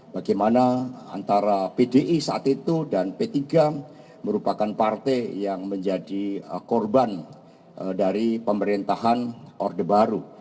bagaimana antara pdi saat itu dan p tiga merupakan partai yang menjadi korban dari pemerintahan orde baru